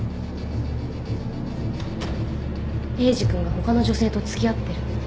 エイジ君が他の女性と付き合ってる。